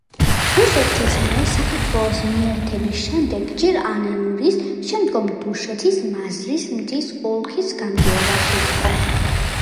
რუსეთის მიერ საქართველოს მიერთების შემდეგ ჯერ ანანურის, შემდგომ დუშეთის მაზრის მთის ოლქის გამგეობაში იყო.